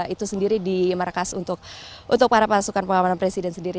itu sendiri di markas untuk para pasukan pengamanan presiden sendiri